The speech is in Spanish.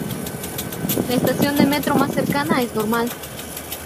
La estación de Metro más cercana es Normal.